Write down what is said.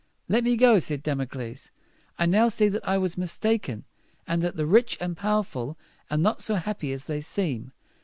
"Let me go," said Damocles. "I now see that I was mis tak en, and that the rich and pow er ful are not so happy as they seem.